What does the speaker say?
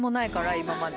今まで。